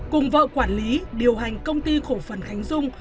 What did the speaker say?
cùng vợ quản lý điều hành công ty cổ phần khánh dung